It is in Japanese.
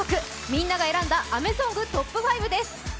「みんなが選んだ雨ソング」トップ５です。